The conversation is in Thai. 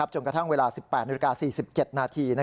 จนกระทั่งเวลา๑๘๔๗น